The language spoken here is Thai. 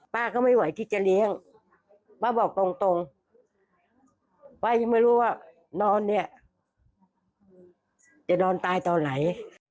ป้าก็ไม่ไหวที่จะเลี้ยงป้าบอกตรงป้ายังไม่รู้ว่านอนเนี่ยจะนอนตายตอนไหน